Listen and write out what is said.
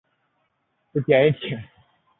新兴里活动中心新兴社区公园